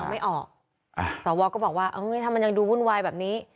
ไม่ออกสวก็บอกว่าถ้ามันยังดูวุ่นวายแบบนี้